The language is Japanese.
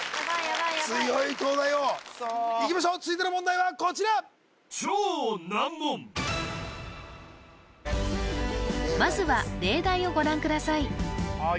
ヤバい強い東大王いきましょう続いての問題はこちらまずは例題をご覧ください